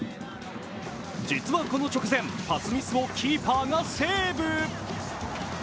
実は、この直前、パスミスをキーパーがセーブ。